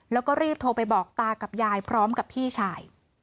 แล้วก็รีบโทรไปบอกตากับยายพร้อมกับพี่ชาย